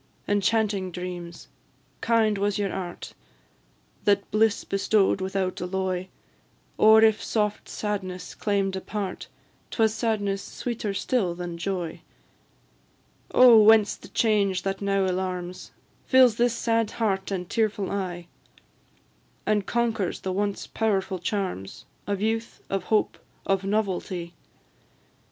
Enchanting dreams! kind was your art That bliss bestow'd without alloy; Or if soft sadness claim'd a part, 'Twas sadness sweeter still than joy. Oh! whence the change that now alarms, Fills this sad heart and tearful eye, And conquers the once powerful charms Of youth, of hope, of novelty?